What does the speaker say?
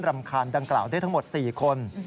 รำคาญดังกล่าวได้ทั้งหมด๔คน